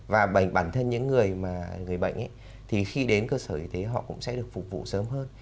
và bản thân những người bệnh ấy thì khi đến cơ sở y tế họ cũng sẽ được phục vụ sớm hơn